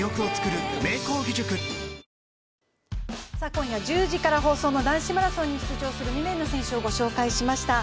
今夜１０時から放送の男子マラソンに出場する２人の選手を御紹介しました。